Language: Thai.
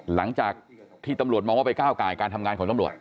หลังจากที่ตำรวจมองว่าไปก้าวไก่การทำงานของตำรวจ